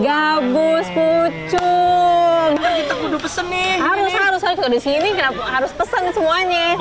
gabus pucung kita kudu pesen nih harus harus harus di sini harus pesen semuanya